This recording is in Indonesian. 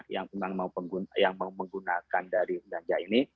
yang mau menggunakan dari ganja ini